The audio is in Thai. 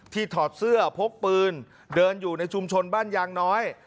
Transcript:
ถอดเสื้อพกปืนเดินอยู่ในชุมชนบ้านยางน้อย